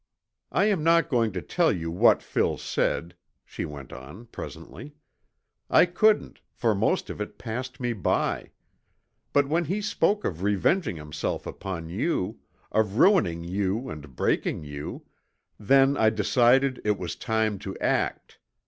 "I am not going to tell you what Phil said," she went on presently. "I couldn't, for most of it passed me by. But when he spoke of revenging himself upon you, of ruining you and breaking you, then I decided it was time to act.